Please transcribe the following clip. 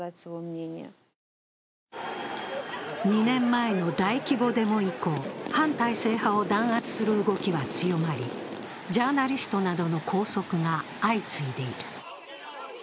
２年前の大規模デモ以降、反体制派を弾圧する動きは強まり、ジャーナリストなどの拘束が相次いでいる。